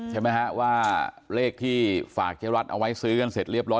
ใช่ไหมฮะว่าเลขที่ฝากเจ๊รัฐเอาไว้ซื้อกันเสร็จเรียบร้อย